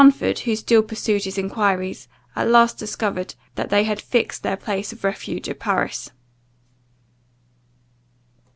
Darnford, who still pursued his enquiries, at last discovered that they had fixed their place of refuge at Paris.